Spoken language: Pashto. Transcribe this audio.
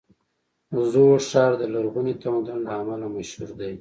زوړ ښار د لرغوني تمدن له امله مشهور دی.